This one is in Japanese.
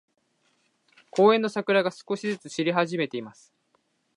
公園の桜が、少しずつ散り始めています。